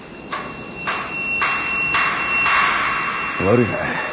悪いね